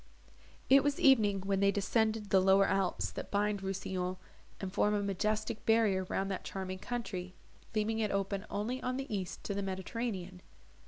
It was evening when they descended the lower alps, that bind Rousillon, and form a majestic barrier round that charming country, leaving it open only on the east to the Mediterranean.